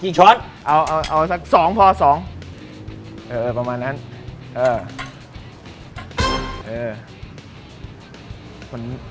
กี่ช้อนเอาเอาเอาเอาสักสองพอสองเออเออประมาณนั้นเออ